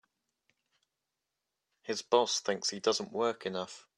His boss thinks he doesn't work enough.